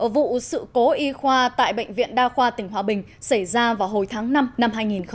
vụ sự cố y khoa tại bệnh viện đa khoa tỉnh hòa bình xảy ra vào hồi tháng năm năm hai nghìn một mươi bảy